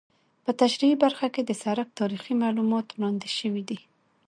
په تشریحي برخه کې د سرک تاریخي معلومات وړاندې شوي دي